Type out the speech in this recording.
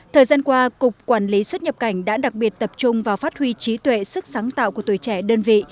thời gian qua cục quản lý xuất nhập cảnh đã đặc biệt tập trung vào phát huy trí tuệ sức sáng tạo của tuổi trẻ đơn vị